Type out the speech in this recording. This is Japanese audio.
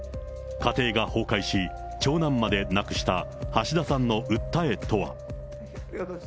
家庭が崩壊し、長男まで亡くした橋田さんの訴えとは。